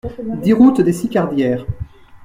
dix route des Sicardières